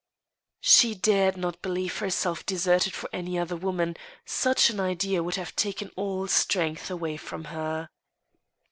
*' She dared not believe herself deserted for any other woman; such an idea v^ould have taken all strength away from her.